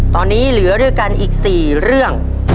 ตอนนี้เหลือด้วยกันอีก๔เรื่อง